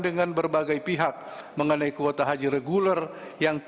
dan bpih sebanyak delapan orang